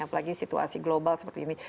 apalagi situasi global seperti ini